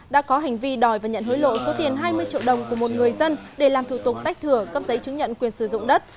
đã có hành vi đòi và nhận hối lộ số tiền hai mươi triệu đồng của một người dân để làm thủ tục tách thừa cấp giấy chứng nhận quyền sử dụng đất